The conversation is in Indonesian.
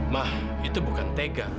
ma itu bukan tega